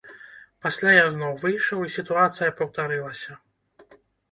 Пасля я зноў выйшаў, і сітуацыя паўтарылася.